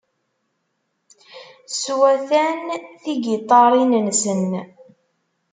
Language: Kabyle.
Swatan tigiṭarin-nsen.